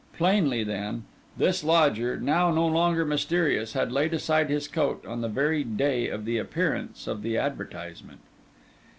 Plainly then, his lodger, now no longer mysterious, had laid aside his coat on the very day of the appearance of the advertisement.